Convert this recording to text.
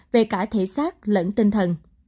về cả thể xác lẫn tinh thần